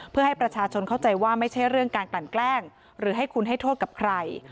เพื่อให้ประชาชนเข้าใจว่าไม่ใช่เรื่องการกลั่นแกล้งหรือให้คุณให้โทษกับใคร